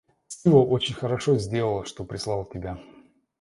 Стива очень хорошо сделал, что прислал тебя.